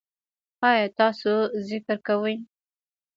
ایا تاسو ذکر کوئ؟